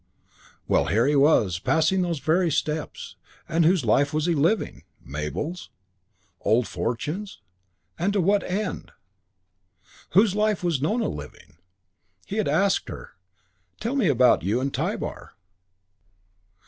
Well, here he was, passing those very steps, and whose life was he living? Mabel's? Old Fortune's? And to what end? V Whose life was Nona living? He had asked her, "Tell me about you and Tybar."